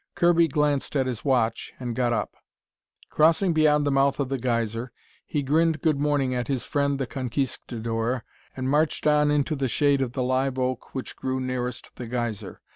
Kirby glanced at his watch and got up. Crossing beyond the mouth of the geyser, he grinned good morning at his friend the Conquistadore, and marched on into the shade of the live oak which grew nearest the geyser.